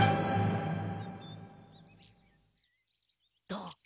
どう？